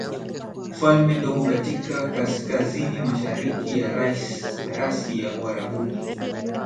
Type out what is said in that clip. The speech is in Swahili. falme ndogo katika kaskazinimashariki ya Rasi ya Uarabuni